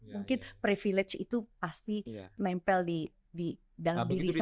mungkin privilege itu pasti nempel di dalam diri saya